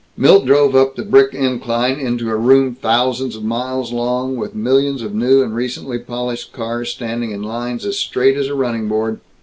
Milt drove up the brick incline into a room thousands of miles long, with millions of new and recently polished cars standing in lines as straight as a running board.